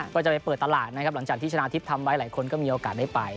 ก็จะไปเปิดตลาดนะครับหลังจากที่ชนะทิพย์ทำไว้หลายคนก็มีโอกาสได้ไป